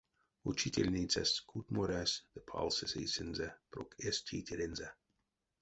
Учительницась кутморясь ды палсесь эйсэнзэ прок эсь тейтерензэ.